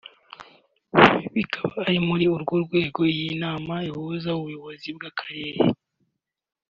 bikaba ari muri urwo rwego iyi nama ihuza Ubuyobozi bw’Akarere